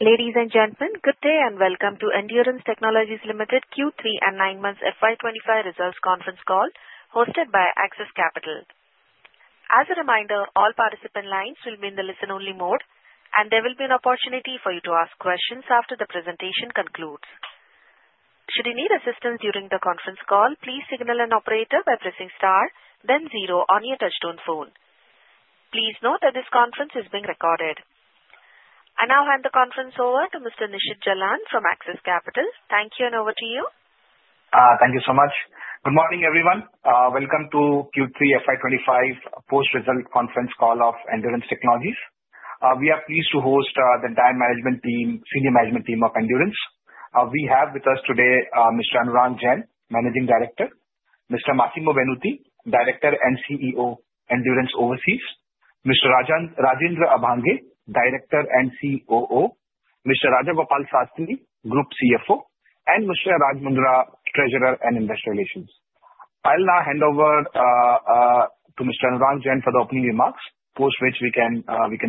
Ladies and gentlemen, good day and welcome to Endurance Technologies Limited Q3 and 9 Months FY 2025 Results Conference Call, hosted by Axis Capital. As a reminder, all participant lines will be in the listen-only mode, and there will be an opportunity for you to ask questions after the presentation concludes. Should you need assistance during the conference call, please signal an operator by pressing star, then zero on your touch-tone phone. Please note that this conference is being recorded. I now hand the conference over to Mr. Nishit Jalan from Axis Capital. Thank you, and over to you. Thank you so much. Good morning, everyone. Welcome to Q3 FY 2025 Post-Result Conference Call of Endurance Technologies. We are pleased to host the entire management team, senior management team of Endurance. We have with us today Mr. Anurang Jain, Managing Director, Mr. Massimo Venuti, Director and CEO, Endurance Overseas, Mr. Rajendra Abhange, Director and COO, Mr. Satrajit Ray, Group CFO, and Mr. Raj Mundra, Treasurer and Investor Relations. I'll now hand over to Mr. Anurang Jain for the opening remarks, post which we can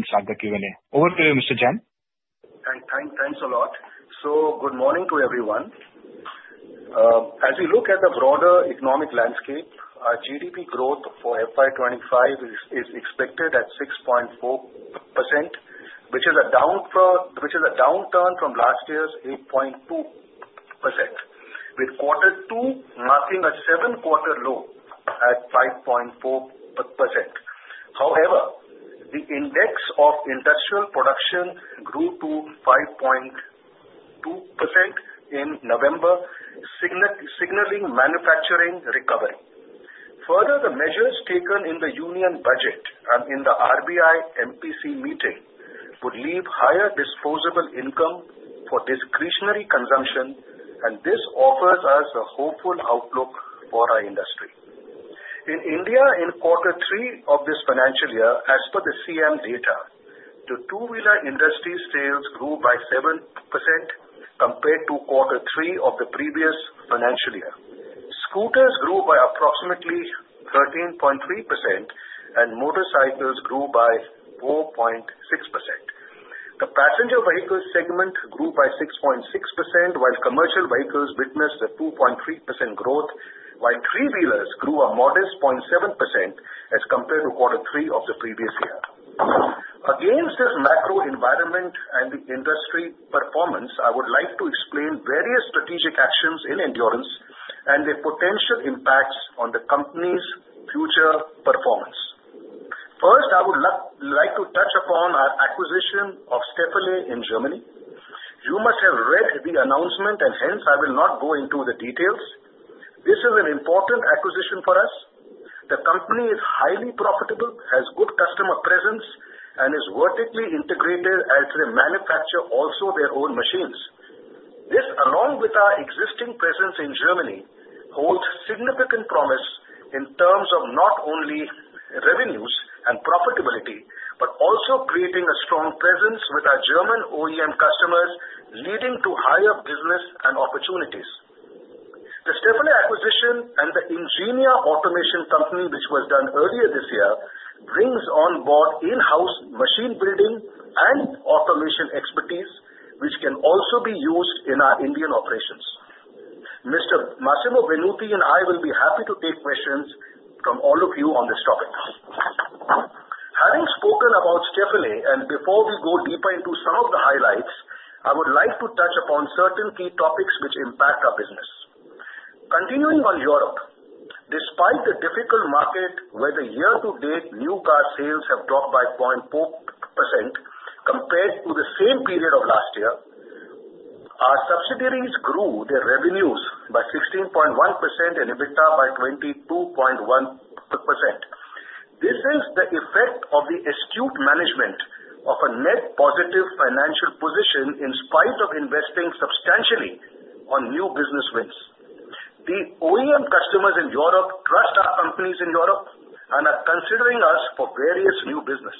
start the Q&A. Over to you, Mr. Jain. Thanks a lot. So good morning to everyone. As we look at the broader economic landscape, GDP growth for FY 2025 is expected at 6.4%, which is a downturn from last year's 8.2%, with Q2 marking a seven-quarter low at 5.4%. However, the index of industrial production grew to 5.2% in November, signaling manufacturing recovery. Further, the measures taken in the union budget and in the RBI MPC meeting would leave higher disposable income for discretionary consumption, and this offers us a hopeful outlook for our industry. In India, in Q3 of this financial year, as per the SIAM data, the two-wheeler industry sales grew by 7% compared to Q3 of the previous financial year. Scooters grew by approximately 13.3%, and motorcycles grew by 4.6%. The passenger vehicle segment grew by 6.6%, while commercial vehicles witnessed a 2.3% growth, while three-wheelers grew a modest 0.7% as compared to Q3 of the previous year. Against this macro environment and the industry performance, I would like to explain various strategic actions in Endurance and their potential impacts on the company's future performance. First, I would like to touch upon our acquisition of Stöferle in Germany. You must have read the announcement, and hence I will not go into the details. This is an important acquisition for us. The company is highly profitable, has good customer presence, and is vertically integrated as they manufacture also their own machines. This, along with our existing presence in Germany, holds significant promise in terms of not only revenues and profitability, but also creating a strong presence with our German OEM customers, leading to higher business and opportunities. The Stöferle acquisition and the Ingenia Automation company, which was done earlier this year, brings on board in-house machine building and automation expertise, which can also be used in our Indian operations. Mr. Massimo Venuti and I will be happy to take questions from all of you on this topic. Having spoken about Stöferle, and before we go deeper into some of the highlights, I would like to touch upon certain key topics which impact our business. Continuing on Europe, despite the difficult market where the year-to-date new car sales have dropped by 0.4% compared to the same period of last year, our subsidiaries grew their revenues by 16.1% and EBITDA by 22.1%. This is the effect of the astute management of a net positive financial position in spite of investing substantially on new business wins. The OEM customers in Europe trust our companies in Europe and are considering us for various new business.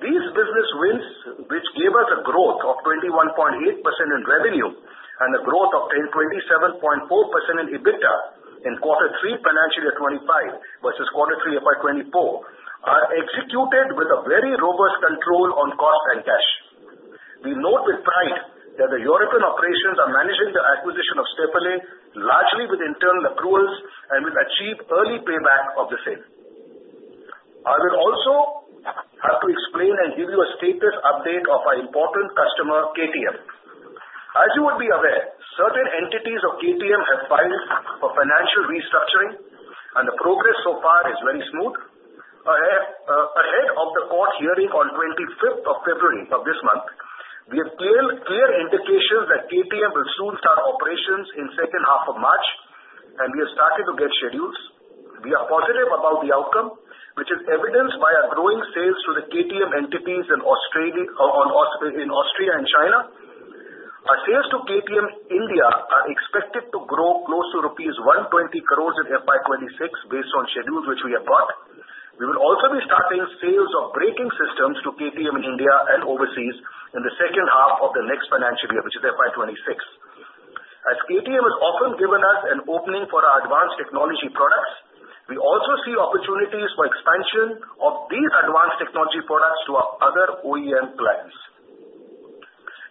These business wins, which gave us a growth of 21.8% in revenue and a growth of 27.4% in EBITDA in Q3 financial year 25 versus Q3 FY 2024, are executed with a very robust control on cost and cash. We note with pride that the European operations are managing the acquisition of Stöferle largely with internal accruals and will achieve early payback of the same. I will also have to explain and give you a status update of our important customer, KTM. As you would be aware, certain entities of KTM have filed for financial restructuring, and the progress so far is very smooth. Ahead of the court hearing on 25th of February of this month, we have clear indications that KTM will soon start operations in the second half of March, and we have started to get schedules. We are positive about the outcome, which is evidenced by our growing sales to the KTM entities in Austria and China. Our sales to KTM India are expected to grow close to rupees 120 crores in FY 2026 based on schedules which we have got. We will also be starting sales of braking systems to KTM in India and overseas in the second half of the next financial year, which is FY 2026. As KTM has often given us an opening for our advanced technology products, we also see opportunities for expansion of these advanced technology products to our other OEM clients.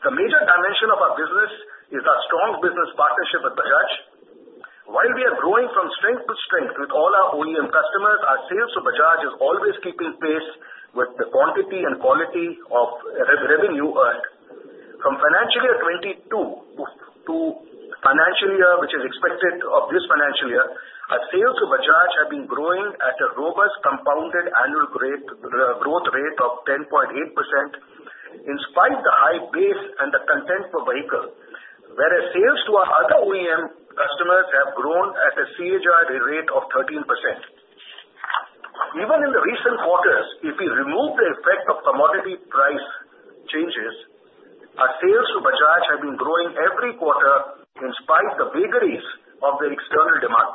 The major dimension of our business is our strong business partnership with Bajaj. While we are growing from strength to strength with all our OEM customers, our sales to Bajaj is always keeping pace with the quantity and quality of revenue earned. From financial year 2022 to financial year which is expected of this financial year, our sales to Bajaj have been growing at a robust compounded annual growth rate of 10.8% in spite of the high base and the content per vehicle, whereas sales to our other OEM customers have grown at a CAGR rate of 13%. Even in the recent quarters, if we remove the effect of commodity price changes, our sales to Bajaj have been growing every quarter in spite of the vagaries of the external demand.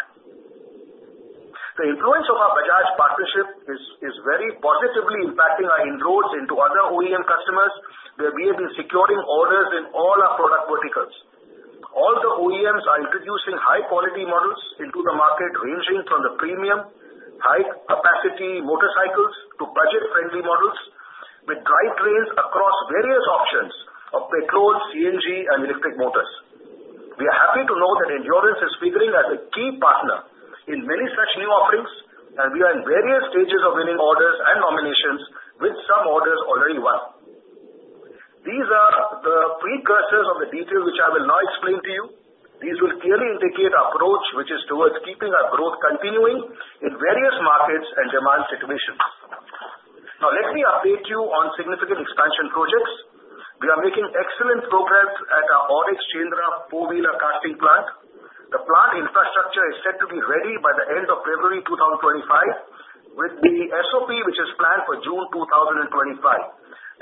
The influence of our Bajaj partnership is very positively impacting our inroads into other OEM customers, where we have been securing orders in all our product verticals. All the OEMs are introducing high-quality models into the market, ranging from the premium high-capacity motorcycles to budget-friendly models, with drivetrains across various options of petrol, CNG, and electric motors. We are happy to know that Endurance is figuring as a key partner in many such new offerings, and we are in various stages of winning orders and nominations, with some orders already won. These are the precursors of the details which I will now explain to you. These will clearly indicate our approach, which is towards keeping our growth continuing in various markets and demand situations. Now, let me update you on significant expansion projects. We are making excellent progress at our AURIC Shendra four-wheeler casting plant. The plant infrastructure is set to be ready by the end of February 2025, with the SOP which is planned for June 2025.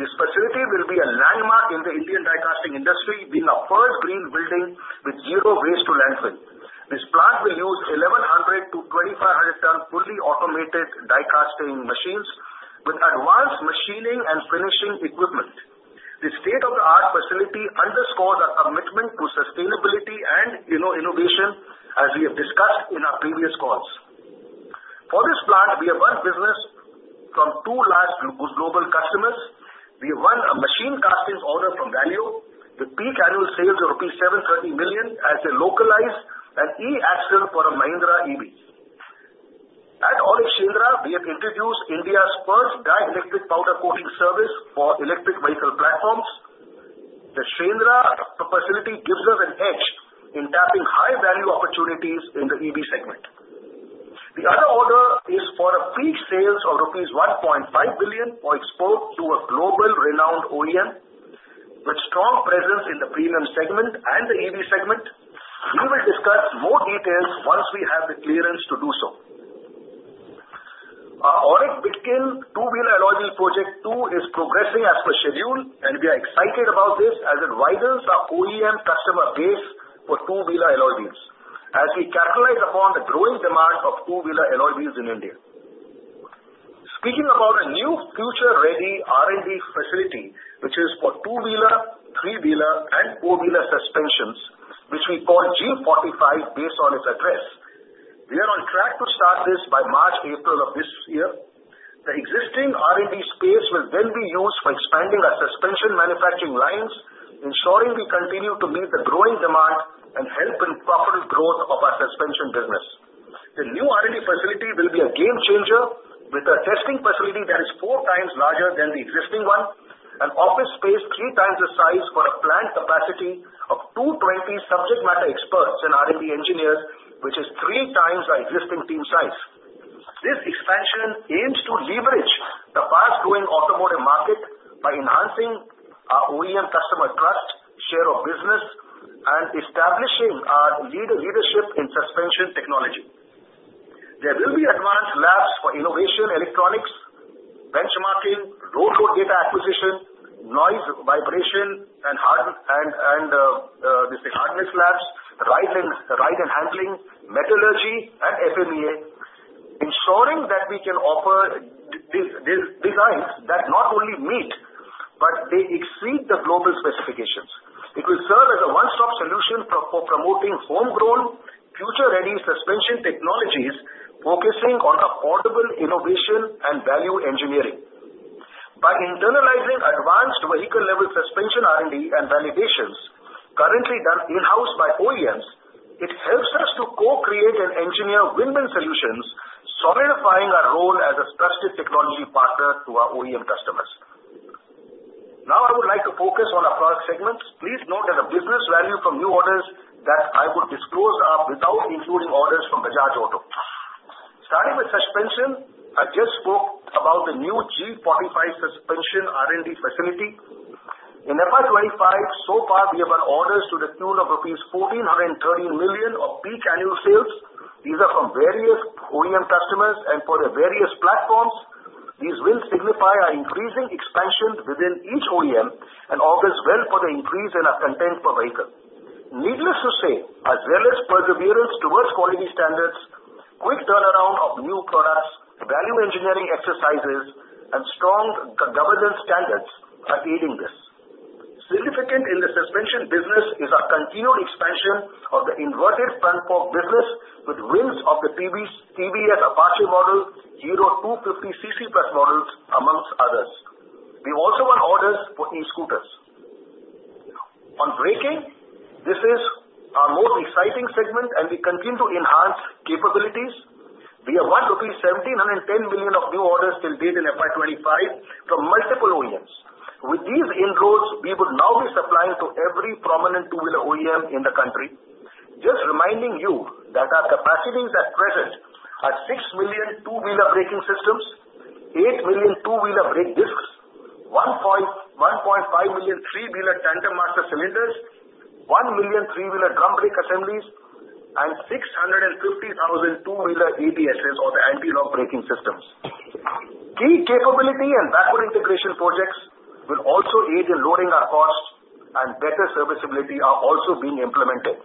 This facility will be a landmark in the Indian die-casting industry, being a first green building with zero waste to landfill. This plant will use 1,100 ton-2,500 ton fully automated die-casting machines with advanced machining and finishing equipment. The state-of-the-art facility underscores our commitment to sustainability and innovation, as we have discussed in our previous calls. For this plant, we have won business from two large global customers. We have won a machined casting order from Dana, with peak annual sales of rupees 730 million as they localize an e-Axle for a Mahindra EV. At AURIC Shendra, we have introduced India's first dielectric powder coating service for electric vehicle platforms. The Shendra facility gives us an edge in tapping high-value opportunities in the EV segment. The other order is for a peak sales of rupees 1.5 billion for export to a global renowned OEM with strong presence in the premium segment and the EV segment. We will discuss more details once we have the clearance to do so. Our AURIC Bidkin two-wheeler alloy wheel project too is progressing as per schedule, and we are excited about this as it widens our OEM customer base for two-wheeler alloy wheels, as we capitalize upon the growing demand of two-wheeler alloy wheels in India. Speaking about a new future-ready R&D facility, which is for two-wheeler, three-wheeler, and four-wheeler suspensions, which we call G45 based on its address, we are on track to start this by March-April of this year. The existing R&D space will then be used for expanding our suspension manufacturing lines, ensuring we continue to meet the growing demand and help in proper growth of our suspension business. The new R&D facility will be a game changer, with a testing facility that is four times larger than the existing one, an office space three times the size for a plant capacity of 220 subject matter experts and R&D engineers, which is three times our existing team size. This expansion aims to leverage the fast-growing automotive market by enhancing our OEM customer trust, share of business, and establishing our leadership in suspension technology. There will be advanced labs for innovation electronics, benchmarking, road data acquisition, noise vibration, and hardness labs, right-hand handling, metallurgy, and FMEA, ensuring that we can offer designs that not only meet, but they exceed the global specifications. It will serve as a one-stop solution for promoting homegrown future-ready suspension technologies, focusing on affordable innovation and value engineering. By internalizing advanced vehicle-level suspension R&D and validations currently done in-house by OEMs, it helps us to co-create and engineer win-win solutions, solidifying our role as a trusted technology partner to our OEM customers. Now, I would like to focus on our product segments. Please note that the business value from new orders that I will disclose are without including orders from Bajaj Auto. Starting with suspension, I just spoke about the new G45 suspension R&D facility. In FY 2025, so far, we have had orders to the tune of rupees 1,413 million of peak annual sales. These are from various OEM customers and for the various platforms. These will signify our increasing expansion within each OEM and augurs well for the increase in our content per vehicle. Needless to say, as well as perseverance towards quality standards, quick turnaround of new products, value engineering exercises, and strong governance standards are aiding this. Significant in the suspension business is our continued expansion of the inverted front fork business, with wins of the TVS Apache model, 250 CC Plus models, among others. We also want orders for e-scooters. On braking, this is our most exciting segment, and we continue to enhance capabilities. We have won 1,710 million of new orders till date in FY 2025 from multiple OEMs. With these inroads, we will now be supplying to every prominent two-wheeler OEM in the country. Just reminding you that our capacities at present are 6 million two-wheeler braking systems, 8 million two-wheeler brake discs, 1.5 million three-wheeler tandem master cylinders, 1 million three-wheeler drum brake assemblies, and 650,000 two-wheeler ABSs or the anti-lock braking systems. Key capability and backward integration projects will also aid in lowering our costs, and better serviceability are also being implemented.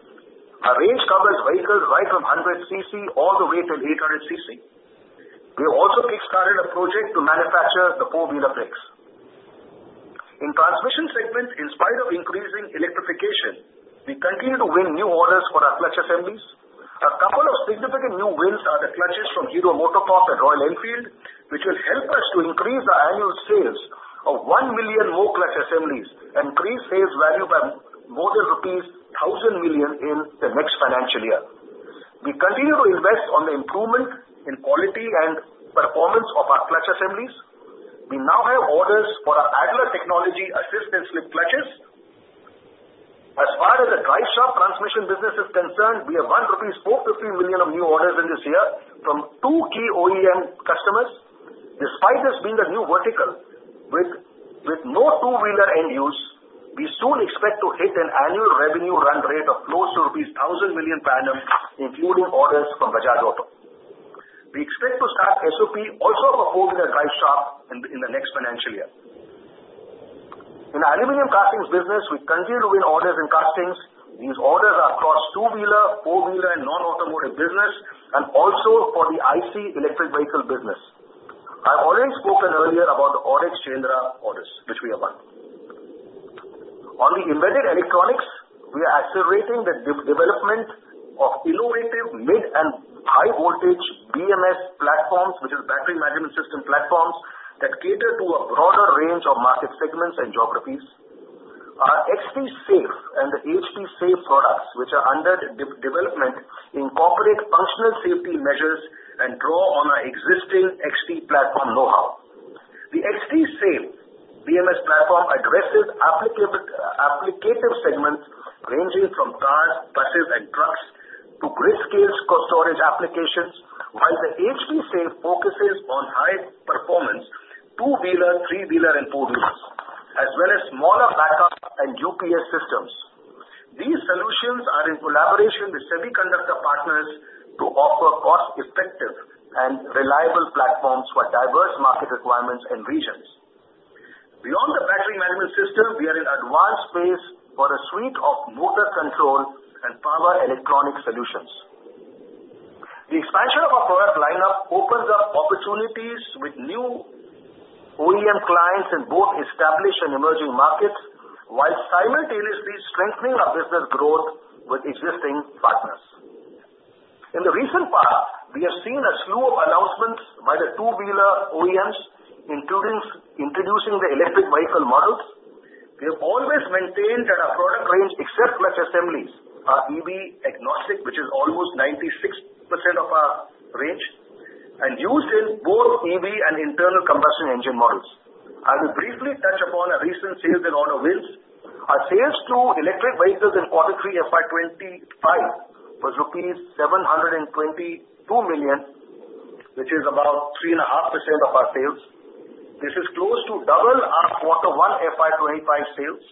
Our range covers vehicles right from 100 cc all the way till 800 cc. We have also kickstarted a project to manufacture the four-wheeler brakes. In the transmission segment, in spite of increasing electrification, we continue to win new orders for our clutch assemblies. A couple of significant new wins are the clutches from Hero MotoCorp and Royal Enfield, which will help us to increase our annual sales of one million more clutch assemblies and increase sales value by more than rupees 1,000 million in the next financial year. We continue to invest on the improvement in quality and performance of our clutch assemblies. We now have orders for our Adler technical assistance with clutches. As far as the driveshaft transmission business is concerned, we have won 450 million of new orders in this year from two key OEM customers. Despite this being a new vertical with no two-wheeler end use, we soon expect to hit an annual revenue run rate of close to rupees 1,000 million per annum, including orders from Bajaj Auto. We expect to start SOP also for four-wheeler driveshaft in the next financial year. In our aluminum castings business, we continue to win orders in castings. These orders are across two-wheeler, four-wheeler, and non-automotive business, and also for the EV electric vehicle business. I've already spoken earlier about the AURIC Shendra orders, which we have won. On the embedded electronics, we are accelerating the development of innovative mid and high-voltage BMS platforms, which are battery management system platforms that cater to a broader range of market segments and geographies. Our XT Safe and the HT Safe products, which are under development, incorporate functional safety measures and draw on our existing XT platform know-how. The XT Safe BMS platform addresses application segments ranging from cars, buses, and trucks to grid-scale storage applications, while the HT Safe focuses on high-performance two-wheeler, three-wheeler, and four-wheelers, as well as smaller backup and UPS systems. These solutions are in collaboration with semiconductor partners to offer cost-effective and reliable platforms for diverse market requirements and regions. Beyond the battery management system, we are in advanced stage for a suite of motor control and power electronic solutions. The expansion of our product lineup opens up opportunities with new OEM clients in both established and emerging markets, while simultaneously strengthening our business growth with existing partners. In the recent past, we have seen a slew of announcements by the two-wheeler OEMs, including introducing the electric vehicle models. We have always maintained that our product range, except clutch assemblies, are EV agnostic, which is almost 96% of our range, and used in both EV and internal combustion engine models. I will briefly touch upon our recent sales and order wins. Our sales to electric vehicles in quarter three FY 2025 was rupees 722 million, which is about 3.5% of our sales. This is close to double our quarter one FY 2025 sales.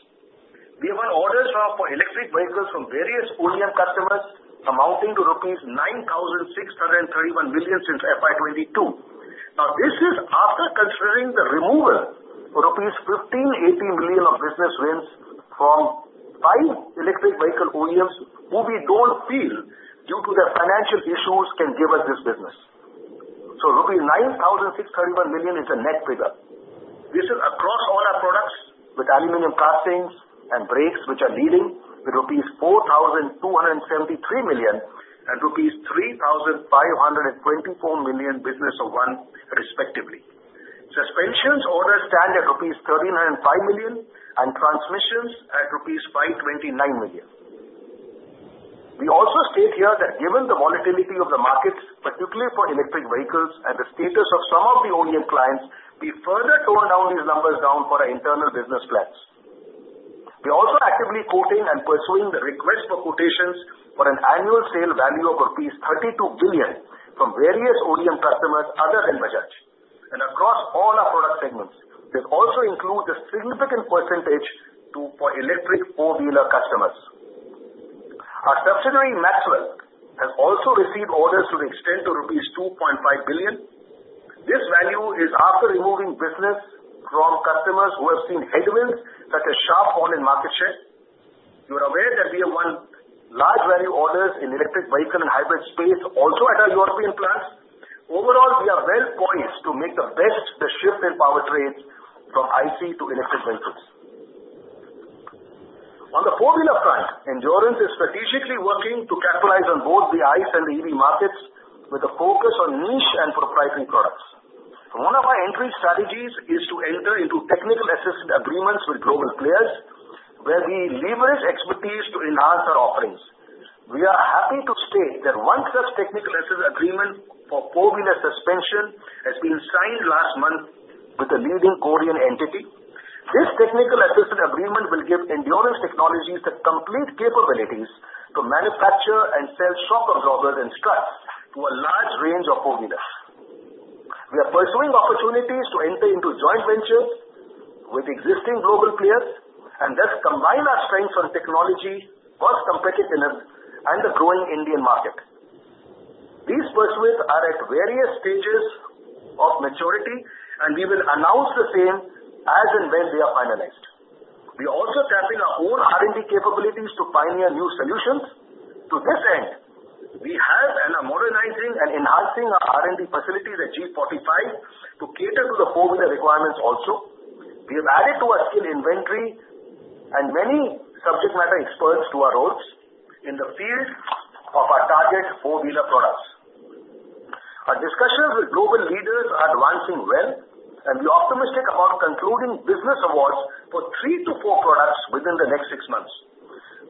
We have had orders for electric vehicles from various OEM customers amounting to rupees 9,631 million since FY22. Now, this is after considering the removal of rupees 1,580 million of business wins from five electric vehicle OEMs who we don't feel due to their financial issues can give us this business. So rupees 9,631 million is the net figure. This is across all our products with aluminum castings and brakes, which are leading with 4,273 million rupees and rupees 3,524 million business of one, respectively. Suspensions orders stand at rupees 1,305 million and transmissions at rupees 529 million. We also state here that given the volatility of the markets, particularly for electric vehicles and the status of some of the OEM clients, we further tone down these numbers for our internal business plans. We are also actively quoting and pursuing the request for quotations for an annual sale value of 32 billion rupees from various OEM customers other than Bajaj. Across all our product segments, we have also included a significant percentage for electric four-wheeler customers. Our subsidiary, Maxwell, has also received orders to the extent of rupees 2.5 billion. This value is after removing business from customers who have seen headwinds such as sharp fall in market share. You are aware that we have won large value orders in electric vehicle and hybrid space also at our European plants. Overall, we are well poised to make the best shift in power trades from IC to electric vehicles. On the four-wheeler front, Endurance is strategically working to capitalize on both the IC and the EV markets with a focus on niche and proprietary products. One of our entry strategies is to enter into technical assistance agreements with global players where we leverage expertise to enhance our offerings. We are happy to state that one such technical assistance agreement for four-wheeler suspension has been signed last month with the leading Korean entity. This technical assistance agreement will give Endurance Technologies the complete capabilities to manufacture and sell shock absorbers and struts to a large range of four-wheelers. We are pursuing opportunities to enter into joint ventures with existing global players and thus combine our strengths on technology, cost competitiveness, and the growing Indian market. These pursuits are at various stages of maturity, and we will announce the same as and when they are finalized. We also tap into our own R&D capabilities to pioneer new solutions. To this end, we have and are modernizing and enhancing our R&D facilities at G45 to cater to the four-wheeler requirements also. We have added to our skill inventory and many subject matter experts to our roles in the field of our target four-wheeler products. Our discussions with global leaders are advancing well, and we are optimistic about concluding business awards for three to four products within the next six months.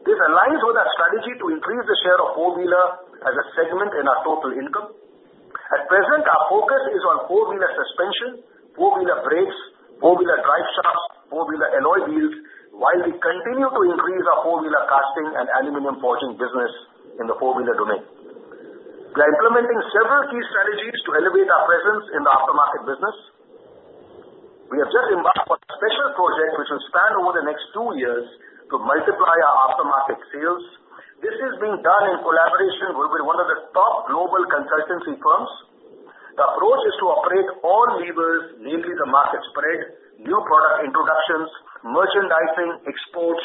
This aligns with our strategy to increase the share of four-wheeler as a segment in our total income. At present, our focus is on four-wheeler suspension, four-wheeler brakes, four-wheeler driveshafts, four-wheeler alloy wheels, while we continue to increase our four-wheeler casting and aluminum forging business in the four-wheeler domain. We are implementing several key strategies to elevate our presence in the aftermarket business. We have just embarked on a special project which will span over the next two years to multiply our aftermarket sales. This is being done in collaboration with one of the top global consultancy firms. The approach is to operate all levers, namely the market spread, new product introductions, merchandising, exports,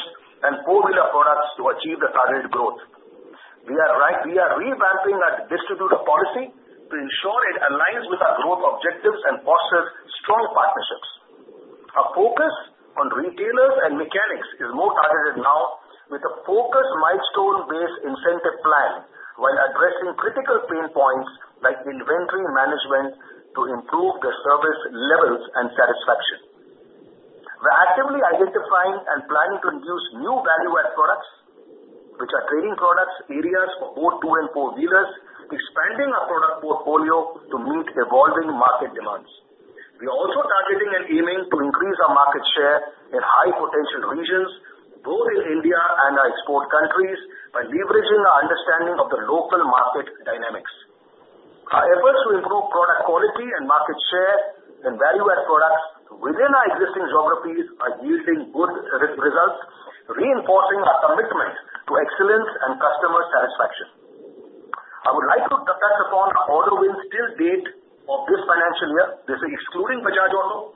and four-wheeler products to achieve the targeted growth. We are revamping our distributive policy to ensure it aligns with our growth objectives and fosters strong partnerships. Our focus on retailers and mechanics is more targeted now with a focused milestone-based incentive plan while addressing critical pain points like inventory management to improve the service levels and satisfaction. We are actively identifying and planning to introduce new value-add products, which are trading products, areas for both two and four-wheelers, expanding our product portfolio to meet evolving market demands. We are also targeting and aiming to increase our market share in high-potential regions, both in India and our export countries, by leveraging our understanding of the local market dynamics. Our efforts to improve product quality and market share in value-add products within our existing geographies are yielding good results, reinforcing our commitment to excellence and customer satisfaction. I would like to touch upon our order wins till date of this financial year. This is excluding Bajaj Auto.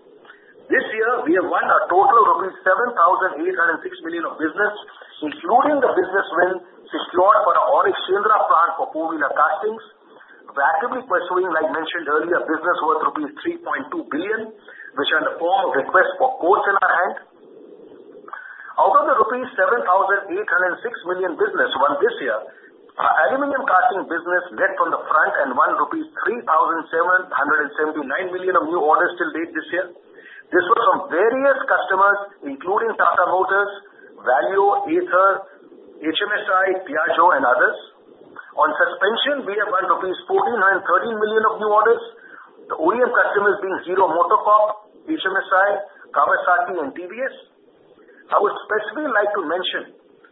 This year, we have won a total of rupees 7,806 million of business, including the business win secured for the AURIC Shendra plant for four-wheeler castings. We are actively pursuing, like mentioned earlier, business worth rupees 3.2 billion, which are in the form of requests for quotes in our hand. Out of the rupees 7,806 million business won this year, our aluminum casting business led from the front and won rupees 3,779 million of new orders till date this year. This was from various customers, including Tata Motors, Valeo, Aether, HMSI, Piaggio, and others. On suspension, we have won rupees 4,913 million of new orders, the OEM customers being Hero MotoCorp, HMSI, Kawasaki, and TVS. I would specifically like to mention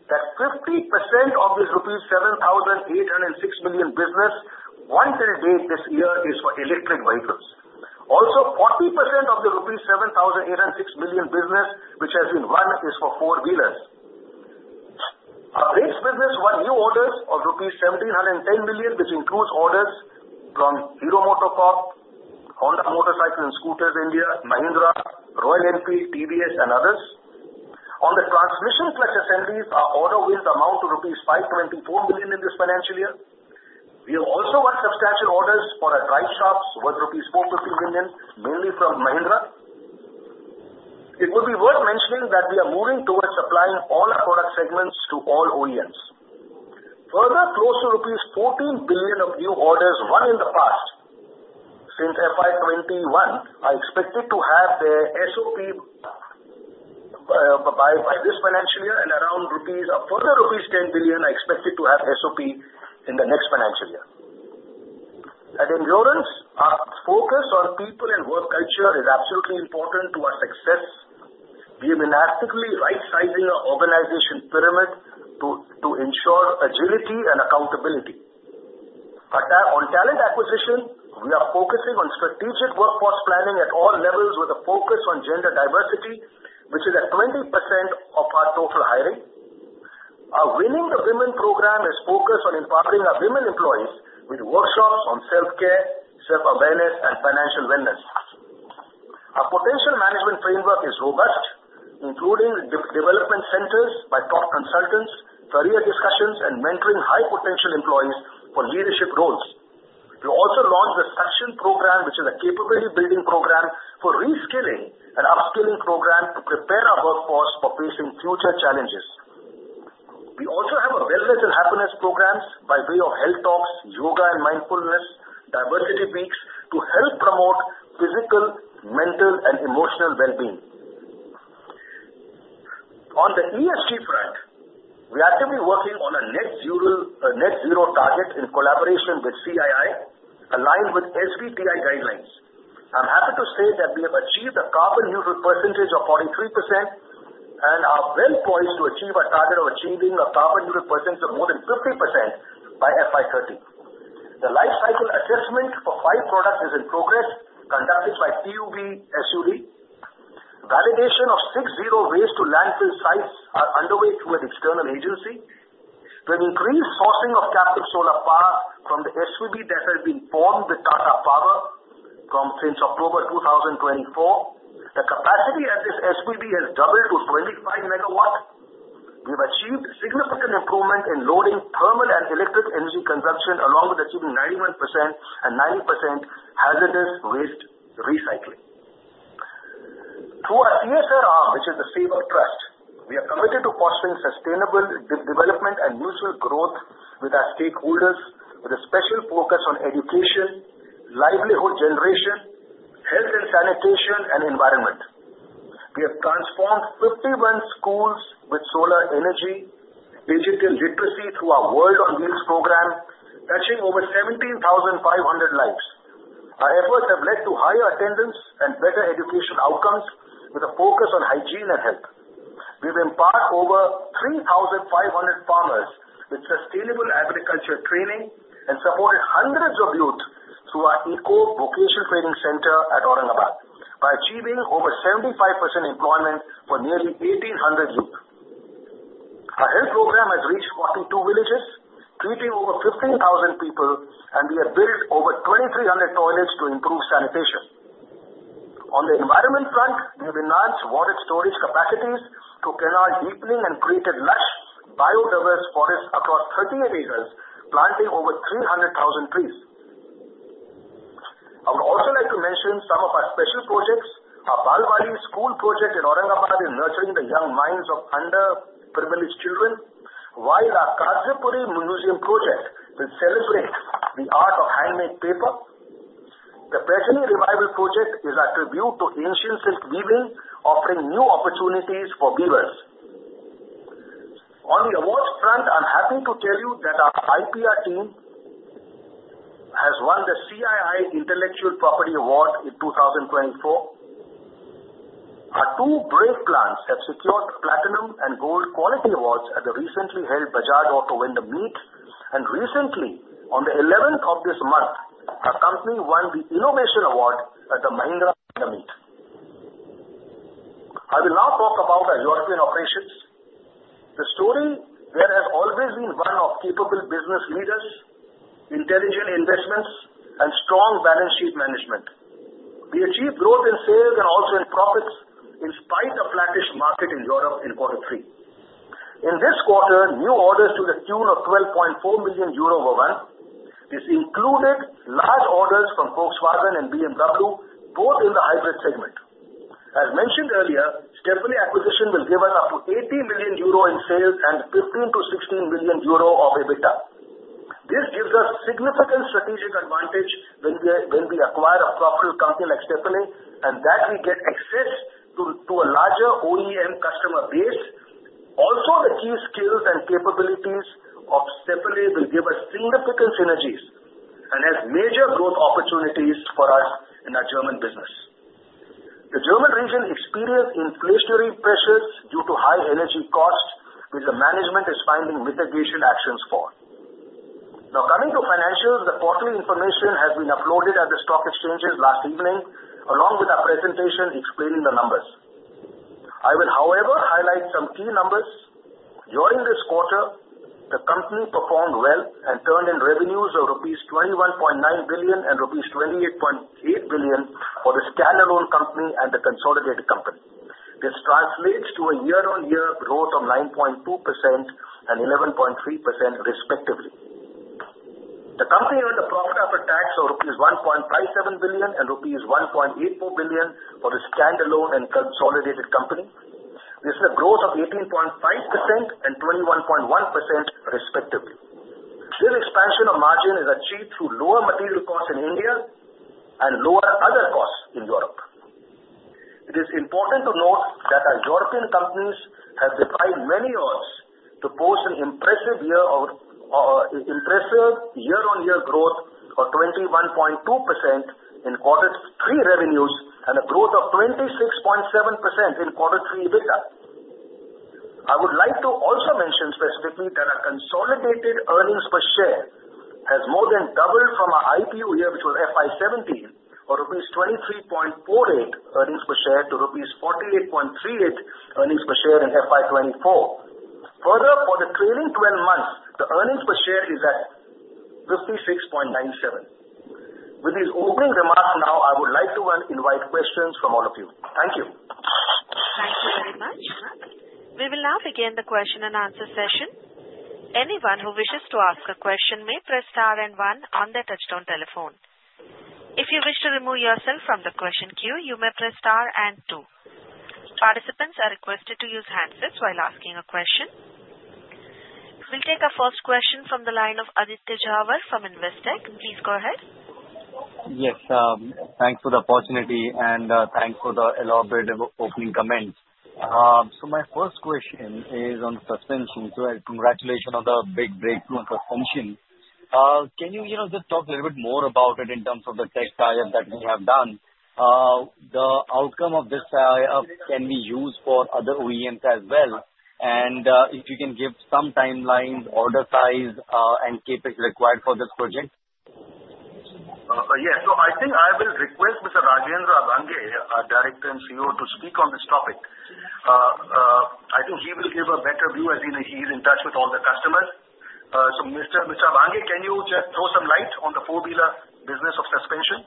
that 50% of this rupees 7,806 million business won till date this year is for electric vehicles. Also, 40% of the rupees 7,806 million business, which has been won, is for four-wheelers. Our brakes business won new orders of rupees 1,710 million, which includes orders from Hero MotoCorp, Honda Motorcycle and Scooter India, Mahindra, Royal Enfield, TVS, and others. On the transmission clutch assemblies, our order wins amount to rupees 524 million in this financial year. We have also won substantial orders for our driveshafts worth rupees 450 million, mainly from Mahindra. It would be worth mentioning that we are moving towards supplying all our product segments to all OEMs. Further, close to rupees 14 billion of new orders won in the past since FY 2021. I expected to have the SOP by this financial year and around INR 10 billion. I expected to have SOP in the next financial year. At Endurance, our focus on people and work culture is absolutely important to our success. We have been actively right-sizing our organization pyramid to ensure agility and accountability. On talent acquisition, we are focusing on strategic workforce planning at all levels with a focus on gender diversity, which is at 20% of our total hiring. Our Women to Women program is focused on empowering our women employees with workshops on self-care, self-awareness, and financial wellness. Our potential management framework is robust, including development centers by top consultants, career discussions, and mentoring high-potential employees for leadership roles. We also launched the Succession Program, which is a capability-building program for reskilling and upskilling programs to prepare our workforce for facing future challenges. We also have wellness and happiness programs by way of health talks, yoga and mindfulness, diversity weeks to help promote physical, mental, and emotional well-being. On the ESG front, we are actively working on a net zero target in collaboration with CII, aligned with SBTI guidelines. I'm happy to say that we have achieved a carbon neutral percentage of 43% and are well poised to achieve our target of achieving a carbon neutral percentage of more than 50% by FY 2030. The life cycle assessment for five products is in progress, conducted by TÜV SÜD. Validation of six zero waste to landfill sites is underway through an external agency. We have increased sourcing of captive solar power from the SPV that has been formed with Tata Power since October 2024. The capacity at this SPV has doubled to 25 megawatts. We have achieved significant improvement in specific thermal and electric energy consumption, along with achieving 91% and 90% hazardous waste recycling. Through our CSR arm, which is the Sevlan Trust, we are committed to fostering sustainable development and mutual growth with our stakeholders, with a special focus on education, livelihood generation, health and sanitation, and environment. We have transformed 51 schools with solar energy, digital literacy through our World on Wheels program, touching over 17,500 lives. Our efforts have led to higher attendance and better education outcomes with a focus on hygiene and health. We have empowered over 3,500 farmers with sustainable agriculture training and supported hundreds of youth through our Eco Vocational Training Center at Aurangabad by achieving over 75% employment for nearly 1,800 youth. Our health program has reached 42 villages, treating over 15,000 people, and we have built over 2,300 toilets to improve sanitation. On the environment front, we have enhanced water storage capacities through canal deepening and created lush biodiverse forests across 38 acres, planting over 300,000 trees. I would also like to mention some of our special projects. Our Balwadi School project in Aurangabad is nurturing the young minds of underprivileged children, while our Kagzipura Museum project will celebrate the art of handmade paper. The Paithani Revival project is a tribute to ancient silk weaving, offering new opportunities for weavers. On the awards front, I'm happy to tell you that our IPR team has won the CII Intellectual Property Award in 2024. Our two brake plants have secured platinum and gold quality awards at the recently held Bajaj Auto Vendor Meet, and recently, on the 11th of this month, our company won the Innovation Award at the Mahindra Vendor Meet. I will now talk about our European operations. The story there has always been one of capable business leaders, intelligent investments, and strong balance sheet management. We achieved growth in sales and also in profits in spite of a flattish market in Europe in Q3. In this quarter, new orders to the tune of 12.4 million euro were won. This included large orders from Volkswagen and BMW, both in the hybrid segment. As mentioned earlier, Stöferle acquisition will give us up to 80 million euro in sales and 15 million-16 million euro of EBITDA. This gives us significant strategic advantage when we acquire a profitable company like Stöferle, and that we get access to a larger OEM customer base. Also, the key skills and capabilities of Stöferle will give us significant synergies and have major growth opportunities for us in our German business. The German region experienced inflationary pressures due to high energy costs, which the management is finding mitigation actions for. Now, coming to financials, the quarterly information has been uploaded at the stock exchanges last evening, along with our presentation explaining the numbers. I will, however, highlight some key numbers. During this quarter, the company performed well and turned in revenues of rupees 21.9 billion and rupees 28.8 billion for the standalone company and the consolidated company. This translates to a year-on-year growth of 9.2% and 11.3%, respectively. The company earned a profit after tax of 1.57 billion and rupees 1.84 billion for the standalone and consolidated company. This is a growth of 18.5% and 21.1%, respectively. This expansion of margin is achieved through lower material costs in India and lower other costs in Europe. It is important to note that our European companies have overcome many odds to post an impressive year-on-year growth of 21.2% in quarter three revenues and a growth of 26.7% in quarter three EBITDA. I would like to also mention specifically that our consolidated earnings per share has more than doubled from our IPO year, which was FY 2017, or rupees 23.48 earnings per share to rupees 48.38 earnings per share in FY 2024. Further, for the trailing 12 months, the earnings per share is at 56.97. With these opening remarks now, I would like to invite questions from all of you. Thank you. Thank you very much. We will now begin the question and answer session. Anyone who wishes to ask a question may press star and one on the touch-tone telephone. If you wish to remove yourself from the question queue, you may press star and two. Participants are requested to use handsets while asking a question. We'll take our first question from the line of Aditya Jhawar from Investec. Please go ahead. Yes. Thanks for the opportunity and thanks for the elaborate opening comments. So my first question is on suspension. So congratulations on the big breakthrough on suspension. Can you just talk a little bit more about it in terms of the tech tie-up that we have done? The outcome of this tie-up can be used for other OEMs as well. And if you can give some timelines, order size, and capability required for this project. Yes. So I think I will request Mr. Rajendra Abhange, our director and COO, to speak on this topic. I think he will give a better view as he's in touch with all the customers. So Mr. Abhange, can you just throw some light on the four-wheeler business of suspension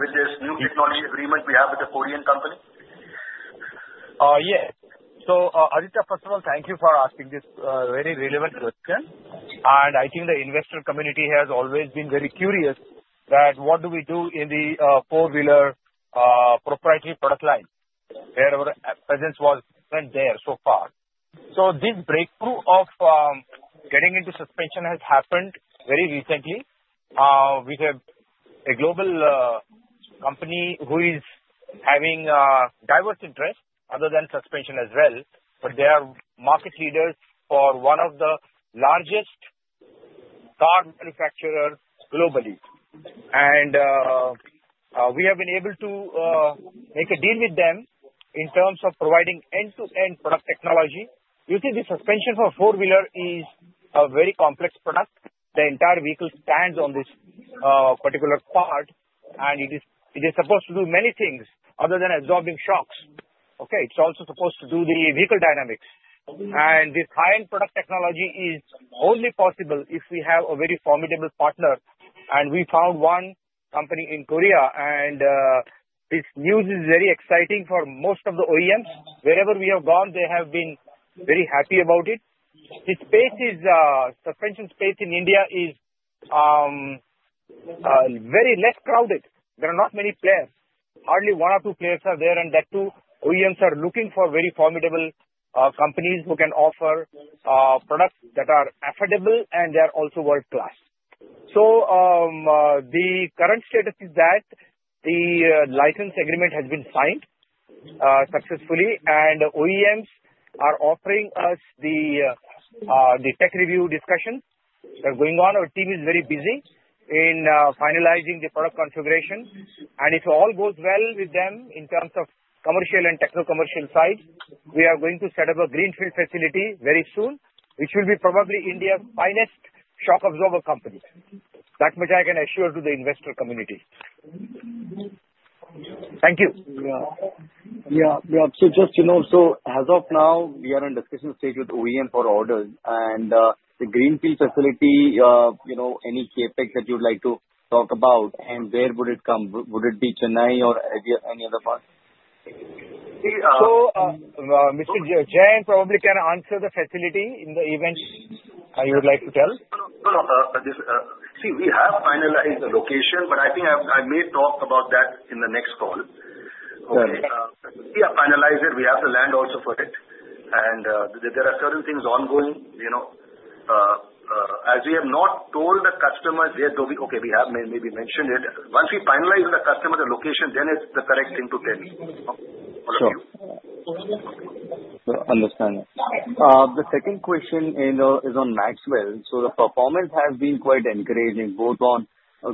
with this new technology agreement we have with the Korean company? Yes. So Aditya, first of all, thank you for asking this very relevant question. I think the investor community has always been very curious that what do we do in the four-wheeler proprietary product line where our presence wasn't there so far. This breakthrough of getting into suspension has happened very recently. We have a global company who is having diverse interests other than suspension as well, but they are market leaders for one of the largest car manufacturers globally. We have been able to make a deal with them in terms of providing end-to-end product technology. You see, the suspension for a four-wheeler is a very complex product. The entire vehicle stands on this particular part, and it is supposed to do many things other than absorbing shocks. Okay? It's also supposed to do the vehicle dynamics. This high-end product technology is only possible if we have a very formidable partner. We found one company in Korea, and this news is very exciting for most of the OEMs. Wherever we have gone, they have been very happy about it. The suspension space in India is very less crowded. There are not many players. Hardly one or two players are there, and that too, OEMs are looking for very formidable companies who can offer products that are affordable and they are also world-class. The current status is that the license agreement has been signed successfully, and OEMs are offering us the tech review discussion that's going on. Our team is very busy in finalizing the product configuration. If all goes well with them in terms of commercial and techno-commercial side, we are going to set up a greenfield facility very soon, which will be probably India's finest shock absorber company. That much I can assure to the investor community. Thank you. So just to know, so as of now, we are in discussion stage with OEM for orders. And the greenfield facility, any CapEx that you'd like to talk about, and where would it come? Would it be Chennai or any other part? So Mr. Jain probably can answer the facility in the event you would like to tell. No. No. No. See, we have finalized the location, but I think I may talk about that in the next call. Okay? We have finalized it. We have the land also for it. And there are certain things ongoing. As we have not told the customers yet, okay, we have maybe mentioned it. Once we finalize with the customer the location, then it's the correct thing to tell all of you. Understand. The second question is on Maxwell. The performance has been quite encouraging both on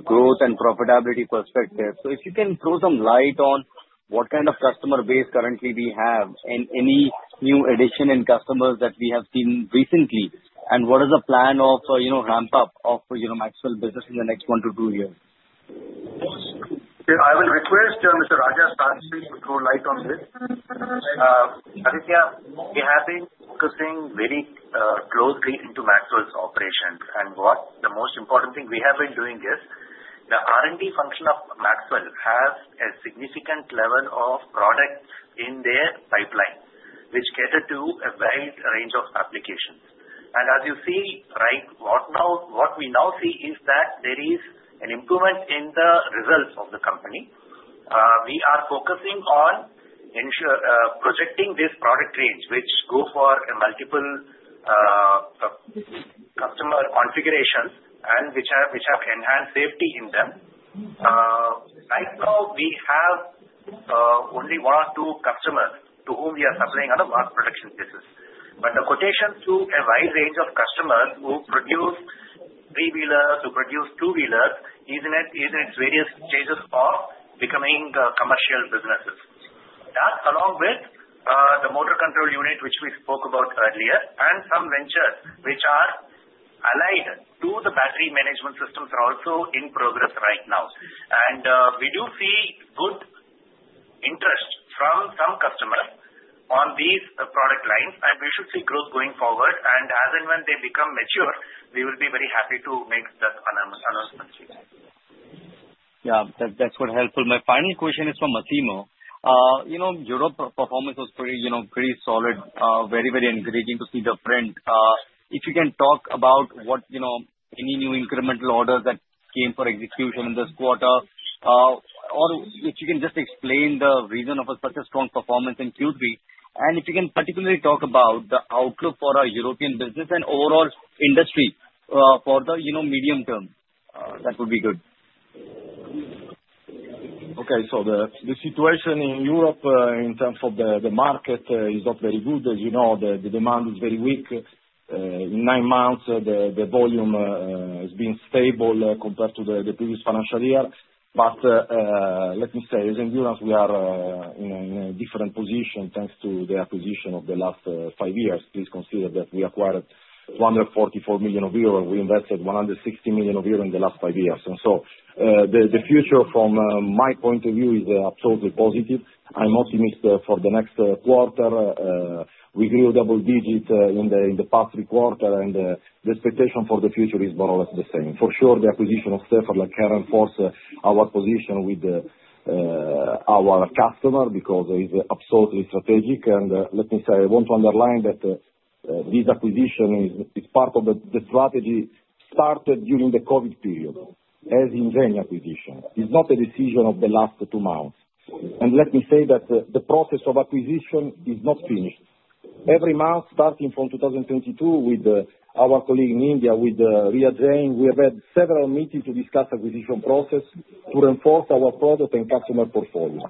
growth and profitability perspective. If you can throw some light on what kind of customer base currently we have and any new addition in customers that we have seen recently, and what is the plan of ramp-up of Maxwell business in the next one to two years? I will request Mr. Rajendra to throw light on this. Aditya, we have been focusing very closely into Maxwell's operations. What the most important thing we have been doing is the R&D function of Maxwell has a significant level of product in their pipeline, which caters to a wide range of applications. As you see, right, what we now see is that there is an improvement in the results of the company. We are focusing on projecting this product range, which goes for multiple customer configurations and which have enhanced safety in them. Right now, we have only one or two customers to whom we are supplying on a mass production basis. But the quotation to a wide range of customers who produce three-wheelers to produce two-wheelers is in its various stages of becoming commercial businesses. That along with the motor control unit, which we spoke about earlier, and some ventures which are aligned to the battery management systems are also in progress right now. And we do see good interest from some customers on these product lines, and we should see growth going forward. And as and when they become mature, we will be very happy to make that announcement. Yeah. That's helpful. My final question is for Massimo. Europe performance was pretty solid, very, very encouraging to see the trend. If you can talk about any new incremental orders that came for execution in this quarter, or if you can just explain the reason for such a strong performance in Q3, and if you can particularly talk about the outlook for our European business and overall industry for the medium term, that would be good. Okay. So the situation in Europe in terms of the market is not very good. As you know, the demand is very weak. In nine months, the volume has been stable compared to the previous financial year. But let me say, as Endurance, we are in a different position thanks to the acquisition of the last five years. Please consider that we acquired 244 million euros. We invested 160 million euros in the last five years. And so the future, from my point of view, is absolutely positive. I'm optimistic for the next quarter. We grew double digits in the past three quarters, and the expectation for the future is more or less the same. For sure, the acquisition of Stöferle can reinforce our position with our customer because it's absolutely strategic. And let me say, I want to underline that this acquisition is part of the strategy started during the COVID period, as in any acquisition. It's not a decision of the last two months. And let me say that the process of acquisition is not finished. Every month, starting from 2022, with our colleague in India, with Rohan Jain, we have had several meetings to discuss the acquisition process to reinforce our product and customer portfolio.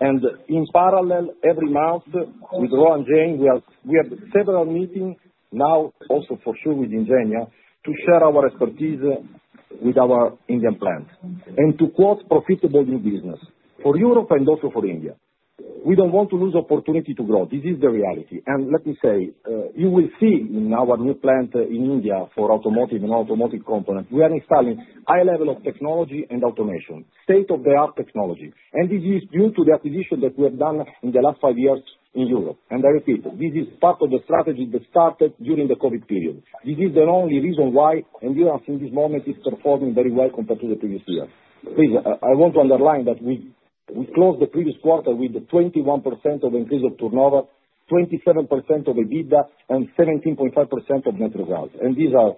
And in parallel, every month, with Rohan Jain, we have several meetings now, also for sure with Ingenia, to share our expertise with our Indian plant and to quote profitable new business for Europe and also for India. We don't want to lose opportunity to grow. This is the reality. And let me say, you will see in our new plant in India for automotive and automotive components, we are installing a high level of technology and automation, state-of-the-art technology. And this is due to the acquisition that we have done in the last five years in Europe. And I repeat, this is part of the strategy that started during the COVID period. This is the only reason why Endurance in this moment is performing very well compared to the previous year. Please, I want to underline that we closed the previous quarter with 21% increase of turnover, 27% of EBITDA, and 17.5% of net result. These are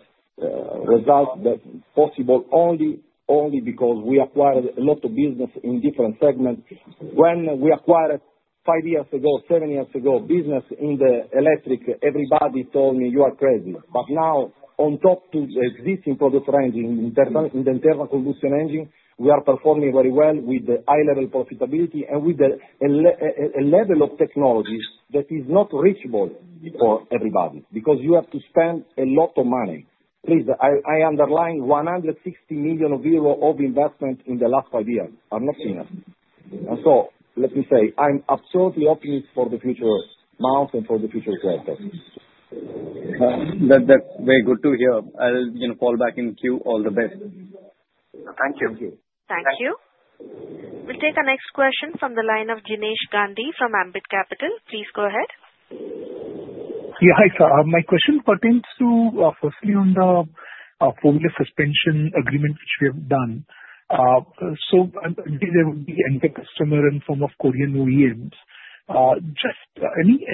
results that are possible only because we acquired a lot of business in different segments. When we acquired five years ago, seven years ago, business in the electric, everybody told me, "You are crazy." But now, on top to the existing product range in the internal combustion engine, we are performing very well with the high-level profitability and with a level of technology that is not reachable for everybody because you have to spend a lot of money. Please, I underline 160 million euro of investment in the last five years. I'm not finished. So let me say, I'm absolutely optimistic for the future months and for the future quarter. That's very good to hear. I'll fall back in queue. All the best. Thank you. Thank you. We'll take the next question from the line of Jinesh Gandhi from Ambit Capital. Please go ahead. Yeah. Hi, sir. My question pertains to, firstly, on the four-wheeler suspension agreement which we have done. So there will be anchor customer in the form of Korean OEMs. Just any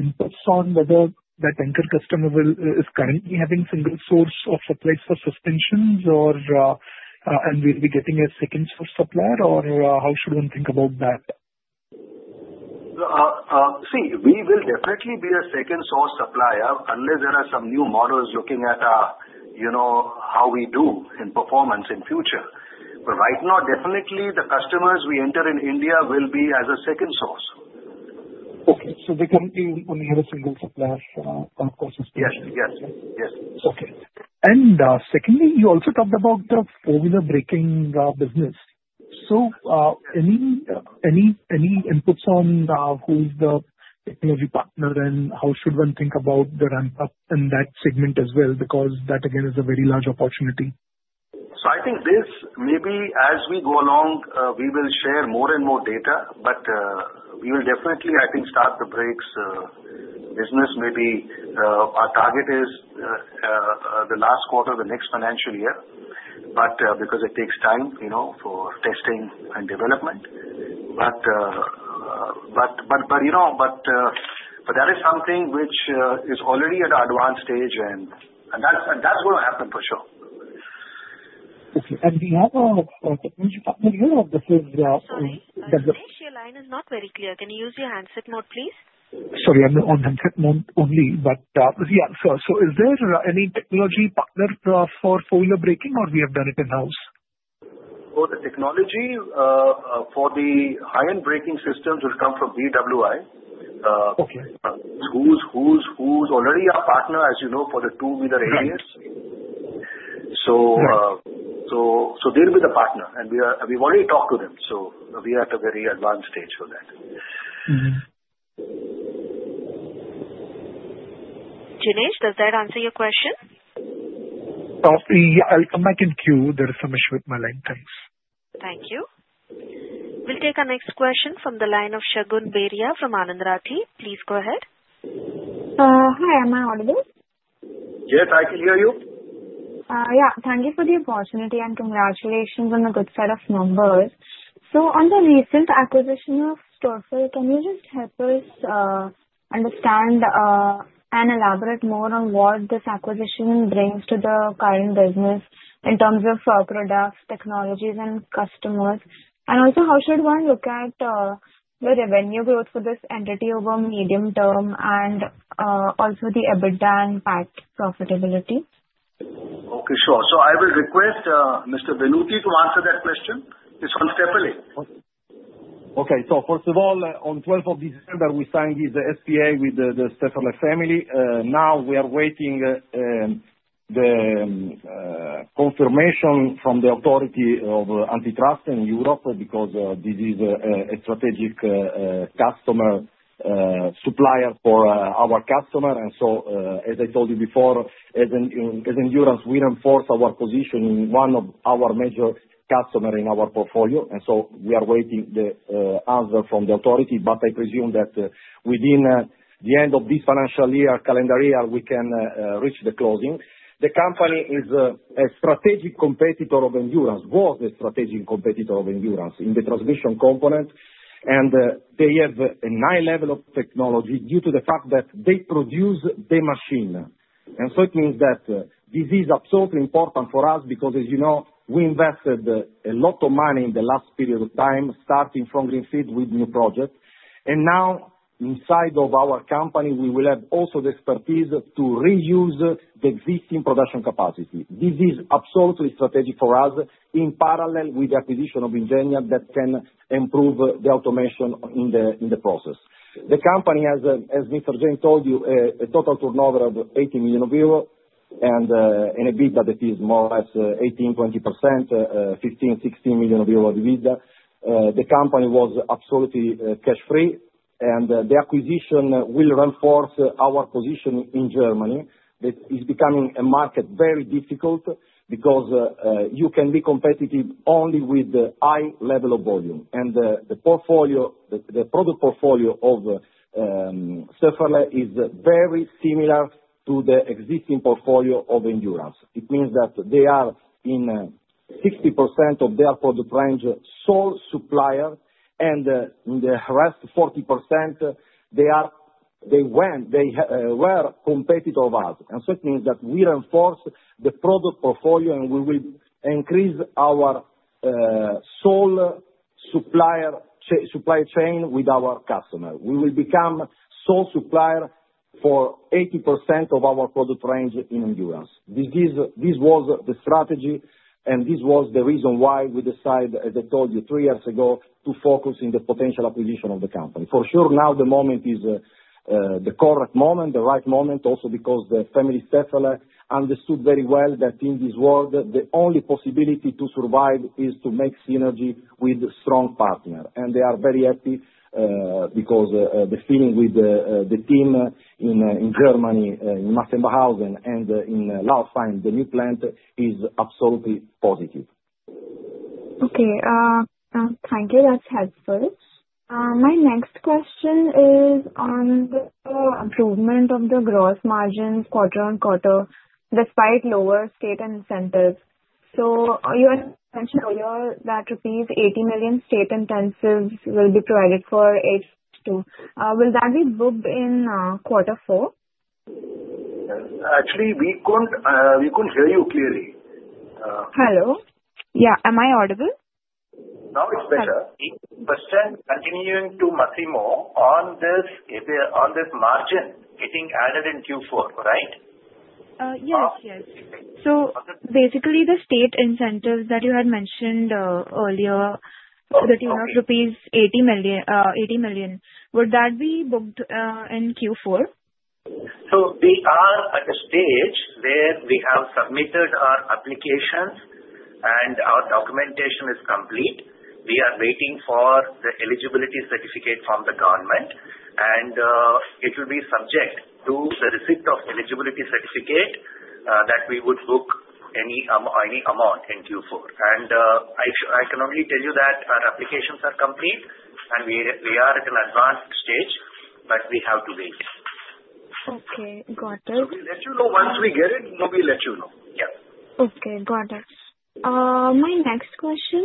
inputs on whether that anchor customer is currently having single source of supplies for suspensions and will be getting a second source supplier, or how should one think about that? See, we will definitely be a second source supplier unless there are some new models looking at how we do in performance in future. But right now, definitely, the customers we enter in India will be as a second source. Okay. So they currently only have a single supplier of suspension. Yes. Yes. Yes. Okay. And secondly, you also talked about the four-wheeler braking business. So any inputs on who's the technology partner and how should one think about the ramp-up in that segment as well? Because that, again, is a very large opportunity. So I think this, maybe as we go along, we will share more and more data. But we will definitely, I think, start the brakes business. Maybe our target is the last quarter of the next financial year, but because it takes time for testing and development. But that is something which is already at an advanced stage, and that's going to happen for sure. Okay. And do you have a technology partner in Europe? This is the. The initial line is not very clear. Can you use your handset mode, please? Sorry. I'm on handset mode only. But yeah. So is there any technology partner for four-wheeler braking, or we have done it in-house? For the technology, for the high-end braking systems will come from BWI. Who's already our partner, as you know, for the two-wheeler areas? So they'll be the partner. And we've already talked to them. So we are at a very advanced stage for that. Jinesh, does that answer your question? Yeah. I'll come back in queue. There is some issue with my line. Thanks. Thank you. We'll take our next question from the line of Shagun Beria from Anand Rathi. Please go ahead. Hi. Am I audible? Yes. I can hear you. Yeah. Thank you for the opportunity and congratulations on a good set of numbers. So on the recent acquisition of Stöferle, can you just help us understand and elaborate more on what this acquisition brings to the current business in terms of products, technologies, and customers? And also, how should one look at the revenue growth for this entity over medium term and also the EBITDA and PAT profitability? Okay. Sure. So I will request Mr. Venuti to answer that question. It's on Stöferle. Okay. So first of all, on 12th of December, we signed the SPA with the Stöferle family. Now, we are waiting the confirmation from the authority of antitrust in Europe because this is a strategic customer supplier for our customer. And so, as I told you before, as Endurance, we reinforce our position in one of our major customers in our portfolio. And so we are waiting the answer from the authority. But I presume that within the end of this financial calendar year, we can reach the closing. The company is a strategic competitor of Endurance, was a strategic competitor of Endurance in the transmission component. And they have a high level of technology due to the fact that they produce the machine. And so it means that this is absolutely important for us because, as you know, we invested a lot of money in the last period of time, starting from greenfield with new projects. And now, inside of our company, we will have also the expertise to reuse the existing production capacity. This is absolutely strategic for us in parallel with the acquisition of Ingenia that can improve the automation in the process. The company, as Mr. Jain told you, a total turnover of 80 million euro and EBITDA that is more or less 18%-20%, 15 million-16 million euro of EBITDA. The company was absolutely cash-free. And the acquisition will reinforce our position in Germany. It is becoming a market very difficult because you can be competitive only with high level of volume. The product portfolio of Stöferle is very similar to the existing portfolio of Endurance. It means that they are in 60% of their product range sole supplier, and in the rest 40%, they were competitors of us. And so it means that we reinforce the product portfolio, and we will increase our sole supply chain with our customer. We will become sole supplier for 80% of our product range in Endurance. This was the strategy, and this was the reason why we decided, as I told you three years ago, to focus on the potential acquisition of the company. For sure, now the moment is the correct moment, the right moment, also because the family Stöferle understood very well that in this world, the only possibility to survive is to make synergy with a strong partner. And they are very happy because the feeling with the team in Germany, in Massenbachhausen and in Lauchheim, the new plant, is absolutely positive. Okay. Thank you. That's helpful. My next question is on the improvement of the gross margin quarter on quarter despite lower state incentives. So you had mentioned earlier that rupees 80 million state incentives will be provided for H2. Will that be booked in quarter four? Actually, we couldn't hear you clearly. Hello? Yeah. Am I audible? Now it's better. 80% continuing to Massimo on this margin getting added in Q4, right? Yes. Yes. So basically, the state incentives that you had mentioned earlier that you know rupees 80 million, would that be booked in Q4? So we are at a stage where we have submitted our applications, and our documentation is complete. We are waiting for the eligibility certificate from the government, and it will be subject to the receipt of eligibility certificate that we would book any amount in Q4. And I can only tell you that our applications are complete, and we are at an advanced stage, but we have to wait. Okay. Got it. So we'll let you know once we get it. We'll let you know. Yeah. Okay. Got it. My next question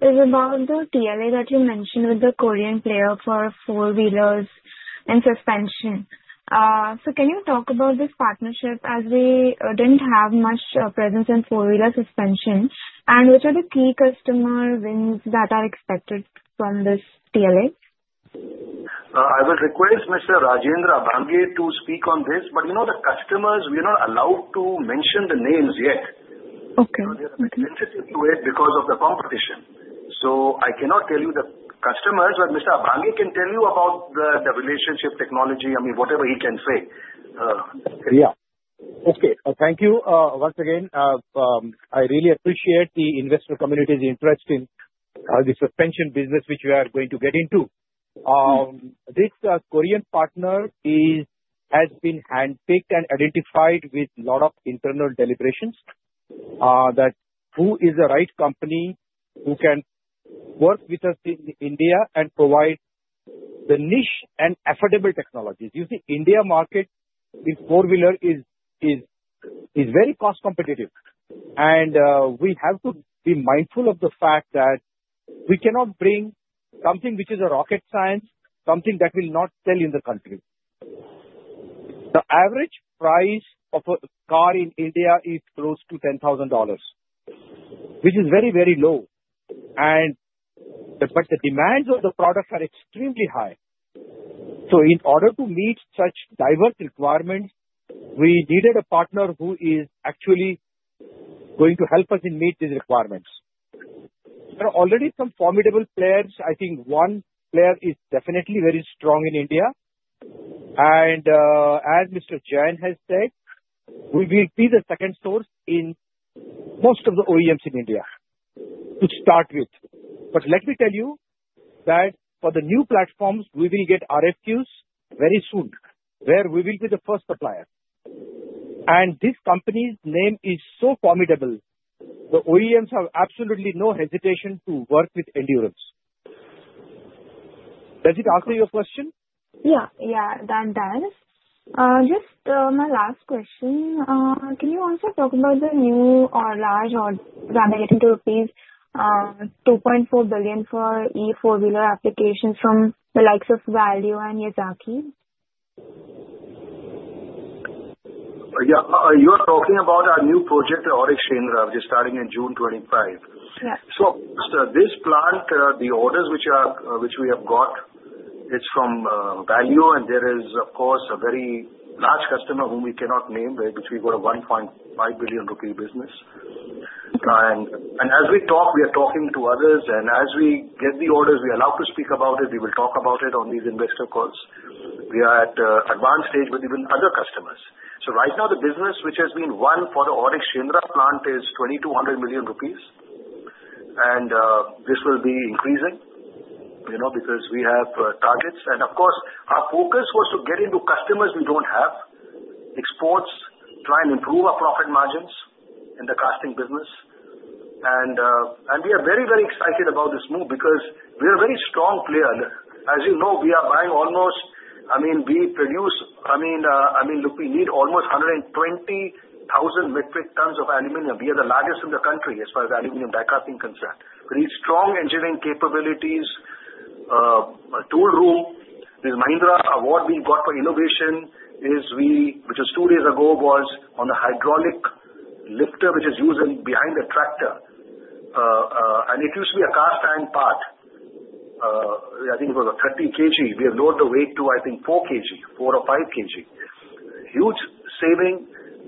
is about the TLA that you mentioned with the Korean player for four-wheelers and suspension. So can you talk about this partnership as we didn't have much presence in four-wheeler suspension? And which are the key customer wins that are expected from this TLA? I will request Mr. Rajendra Abhange to speak on this. But the customers, we are not allowed to mention the names yet. They are a bit sensitive to it because of the competition. So I cannot tell you the customers, but Mr. Abhange can tell you about the relationship, technology, I mean, whatever he can say. Yeah. Okay. Thank you once again. I really appreciate the investor community's interest in the suspension business which we are going to get into. This Korean partner has been handpicked and identified with a lot of internal deliberations that who is the right company who can work with us in India and provide the niche and affordable technologies. You see, India market in four-wheeler is very cost competitive, and we have to be mindful of the fact that we cannot bring something which is a rocket science, something that will not sell in the country. The average price of a car in India is close to $10,000, which is very, very low. But the demands of the product are extremely high. So in order to meet such diverse requirements, we needed a partner who is actually going to help us in meeting these requirements. There are already some formidable players. I think one player is definitely very strong in India. And as Mr. Jain has said, we will be the second source in most of the OEMs in India to start with. But let me tell you that for the new platforms, we will get RFQs very soon where we will be the first supplier. And this company's name is so formidable, the OEMs have absolutely no hesitation to work with Endurance. Does it answer your question? Yeah. Yeah. That does. Just my last question. Can you also talk about the new or large or rather getting to rupees 2.4 billion for e-four-wheeler applications from the likes of Valeo and Yazaki? Yeah. You are talking about our new project, AURIC Shendra, which is starting in June 2025. So this plant, the orders which we have got, it's from Valeo. And there is, of course, a very large customer whom we cannot name, which we got a 1.5 billion rupee business. And as we talk, we are talking to others. And as we get the orders, we are allowed to speak about it. We will talk about it on these investor calls. We are at an advanced stage with even other customers. So right now, the business which has been won for the AURIC Shendra plant is 2,200 million rupees. And this will be increasing because we have targets. And of course, our focus was to get into customers we don't have, exports, try and improve our profit margins in the casting business. We are very, very excited about this move because we are a very strong player. As you know, we are buying almost I mean, we produce I mean, look, we need almost 120,000 metric tons of aluminum. We are the largest in the country as far as aluminum die-casting is concerned. We need strong engineering capabilities, a tool room. This Mahindra award we got for innovation, which was two days ago, was on the hydraulic lifter which is used behind the tractor. It used to be a cast iron part. I think it was a 30 kg. We have lowered the weight to, I think, 4 kg, 4 or 5 kg. Huge saving,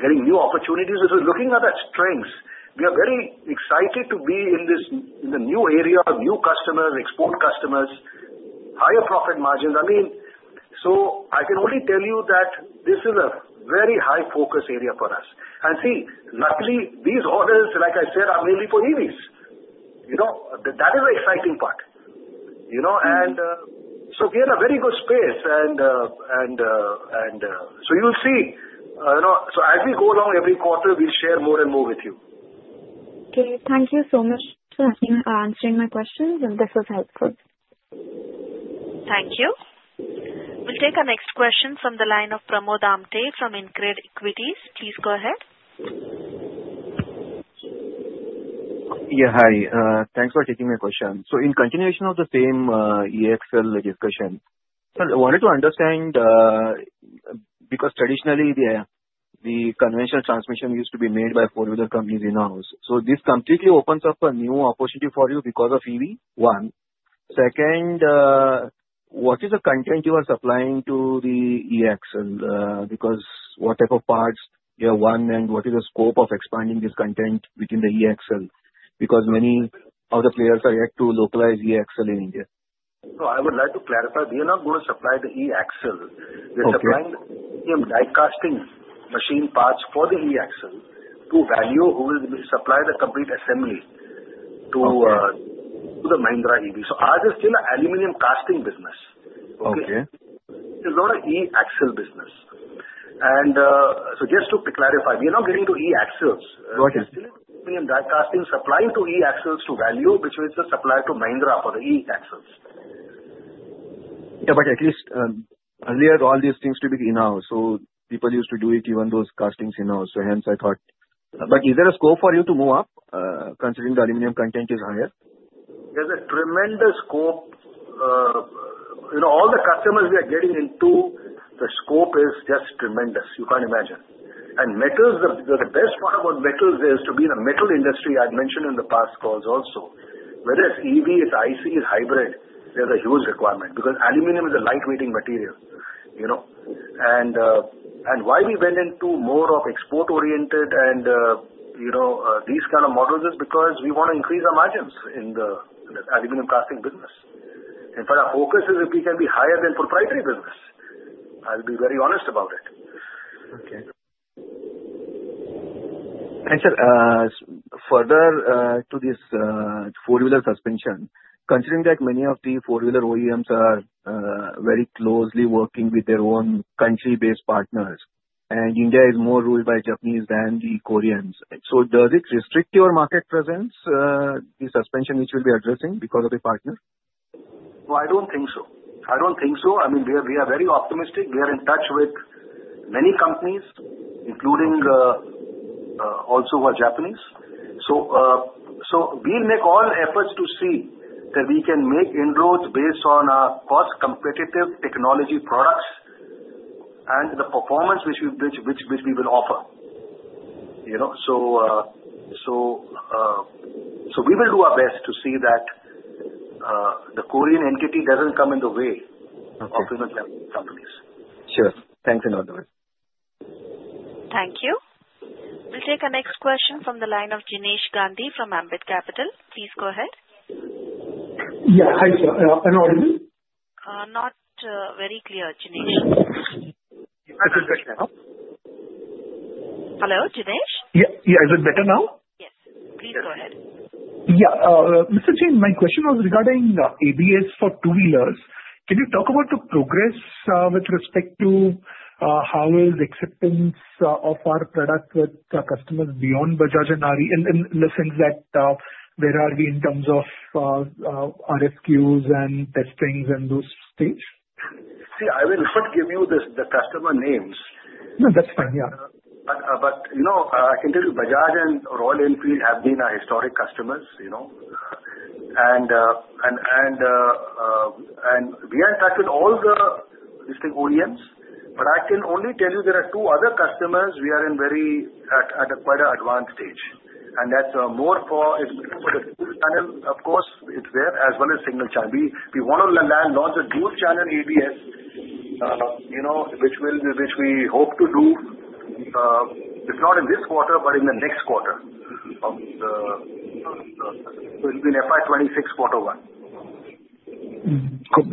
getting new opportunities. We're looking at our strengths. We are very excited to be in the new area, new customers, export customers, higher profit margins. I mean, so I can only tell you that this is a very high-focus area for us. And see, luckily, these orders, like I said, are mainly for EVs. That is the exciting part. And so we are in a very good space. And so you'll see. So as we go along every quarter, we'll share more and more with you. Okay. Thank you so much for answering my questions. And this was helpful. Thank you. We'll take our next question from the line of Pramod Amthe from InCred Equities. Please go ahead. Yeah. Hi. Thanks for taking my question. So in continuation of the same e-Axle discussion, I wanted to understand because traditionally, the conventional transmission used to be made by four-wheeler companies in-house. So this completely opens up a new opportunity for you because of EV, one. Second, what is the content you are supplying to the e-Axle? Because what type of parts you have won and what is the scope of expanding this content within the e-Axle? Because many of the players are yet to localize e-Axle in India. So I would like to clarify. We are not going to supply the e-Axle. We are supplying the die-casting machine parts for the e-Axle to Valeo, who will supply the complete assembly to the Mahindra EV. So ours is still an aluminum casting business. Okay? It's not an e-Axle business. And so just to clarify, we are not getting to e-Axles. We are still in aluminum die-casting, supplying to e-Axles to Valeo, which is the supplier to Mahindra for the e-Axles. Yeah. But at least earlier, all these things used to be in-house. So people used to do it, even those castings in-house. So hence, I thought. But is there a scope for you to move up considering the aluminum content is higher? There's a tremendous scope. All the customers we are getting into, the scope is just tremendous. You can't imagine. And the best part about metals is to be in a metal industry. I've mentioned in the past calls also. Whether it's EV, it's IC, it's hybrid, there's a huge requirement because aluminum is a lightweighting material. And why we went into more of export-oriented and these kind of models is because we want to increase our margins in the aluminum casting business. In fact, our focus is if we can be higher than proprietary business. I'll be very honest about it. Okay. And further to this four-wheeler suspension, considering that many of the four-wheeler OEMs are very closely working with their own country-based partners, and India is more ruled by Japanese than the Koreans, so does it restrict your market presence, the suspension which we'll be addressing because of the partner? No, I don't think so. I don't think so. I mean, we are very optimistic. We are in touch with many companies, including also our Japanese. So we'll make all efforts to see that we can make inroads based on our cost-competitive technology products and the performance which we will offer. So we will do our best to see that the Korean entity doesn't come in the way of the Japanese companies. Sure. Thanks a lot, David. Thank you. We'll take our next question from the line of Jinesh Gandhi from Ambit Capital. Please go ahead. Yeah. Hi, sir. I'm audible? Not very clear, Jinesh. Is that better now? Hello, Jinesh? Yeah. Is it better now? Yes. Please go ahead. Yeah. Mr. Jain, my question was regarding ABS for two-wheelers. Can you talk about the progress with respect to how is acceptance of our product with customers beyond Bajaj and Ather in the sense that where are we in terms of RFQs and testings and those things? See, I will not give you the customer names. No, that's fine. Yeah. But I can tell you Bajaj and Royal Enfield have been our historic customers. And we are in touch with all the listed OEMs. But I can only tell you there are two other customers we are in quite an advanced stage. And that's more for the dual-channel, of course, it's there as well as single-channel. We want to launch a dual-channel ABS, which we hope to do, if not in this quarter, but in the next quarter. So it will be an FY 2026 quarter one.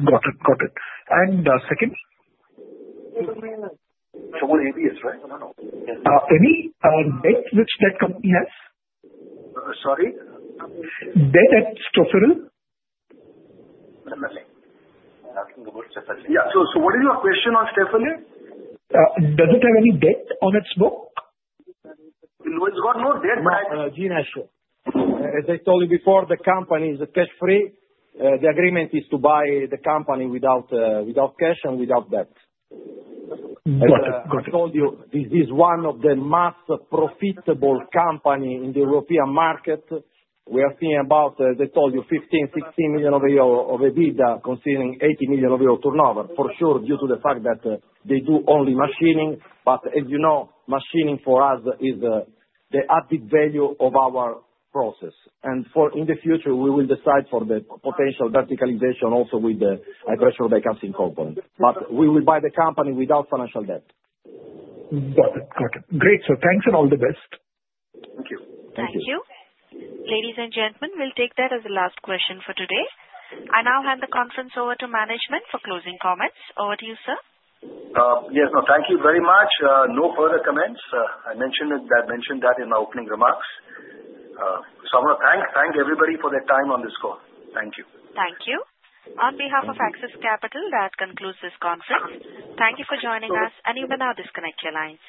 Got it. Got it. And second? ABS, right? No, no. Any debt which that company has? Sorry? Debt at Stöferle? Stöferle. I'm asking about Stöferle. Yeah. So what is your question on Stöferle? Does it have any debt on its book? It's got no debt. As I told you before, the company is cash-free. The agreement is to buy the company without cash and without debt. As I told you, this is one of the most profitable companies in the European market. We are seeing about, as I told you, 15 million-16 million euro EBITDA considering 80 million euro of your turnover, for sure, due to the fact that they do only machining. But as you know, machining for us is the added value of our process. And in the future, we will decide for the potential verticalization also with the high-pressure die-casting component. But we will buy the company without financial debt. Got it. Got it. Great. So thanks and all the best. Thank you. Thank you. Thank you. Ladies and gentlemen, we'll take that as the last question for today. I now hand the conference over to management for closing comments. Over to you, sir. Yes. No, thank you very much. No further comments. I mentioned that in my opening remarks. So I want to thank everybody for their time on this call. Thank you. Thank you. On behalf of Axis Capital, that concludes this conference. Thank you for joining us. And you may now disconnect your lines.